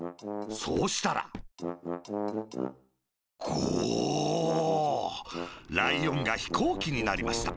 そうしたら「ゴォッ」ライオンがヒコーキになりました。